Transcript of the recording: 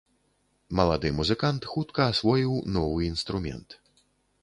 Малады музыкант хутка асвоіў новы інструмент.